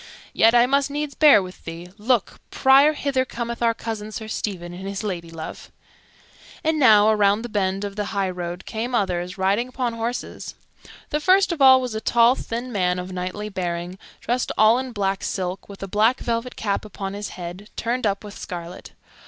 "Yet, I must needs bear with thee. Look, Prior, hither cometh our cousin Sir Stephen, and his ladylove." And now, around the bend of the highroad, came others, riding upon horses. The first of all was a tall, thin man, of knightly bearing, dressed all in black silk, with a black velvet cap upon his head, turned up with scarlet.